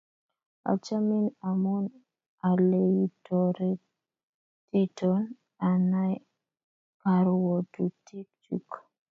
Achomin amun aleiotoretiton anai karwotutik chuk.